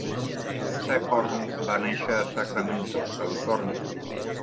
Sehorn va néixer a Sacramento, Califòrnia.